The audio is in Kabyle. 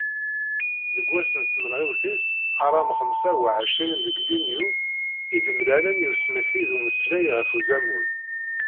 Deg wass n tmenɣiwt-is aram xemsa u εecrin deg yunyu, i d-mlalen i usmekti d umeslay ɣef uzamul.